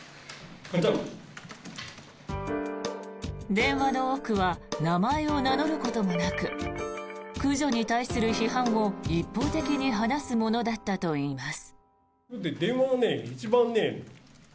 電話の多くは名前を名乗ることもなく駆除に対する批判を、一方的に話すものだったといいます。